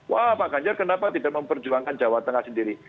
wah pak ganjar kenapa tidak memperjuangkan jawa tengah sendiri